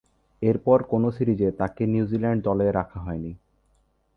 এরপর কোন সিরিজে তাকে নিউজিল্যান্ড দলে রাখা হয়নি।